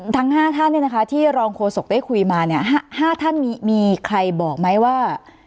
ทั้ง๕ท่านที่รองโฆษกได้คุยมา๕ท่านมีใครบอกไหมว่า